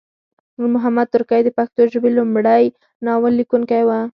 نور محمد ترکی د پښتو ژبې لمړی ناول لیکونکی وه